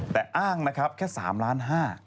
แต่อ้างแค่๓๕ล้าน